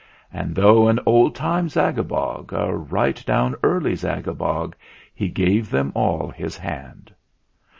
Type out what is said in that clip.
And though an old time Zagabog, A right down Early Zagabog, He gave them all his hand.